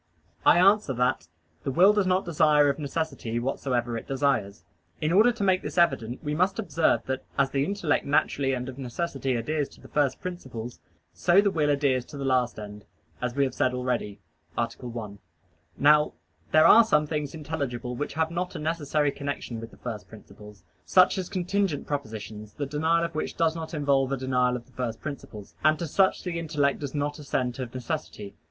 I answer that, The will does not desire of necessity whatsoever it desires. In order to make this evident we must observe that as the intellect naturally and of necessity adheres to the first principles, so the will adheres to the last end, as we have said already (A. 1). Now there are some things intelligible which have not a necessary connection with the first principles; such as contingent propositions, the denial of which does not involve a denial of the first principles. And to such the intellect does not assent of necessity.